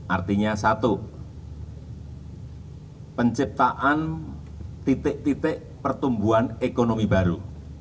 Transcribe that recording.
artinya satu penciptaan titik titik pertumbuhan ekonomi baru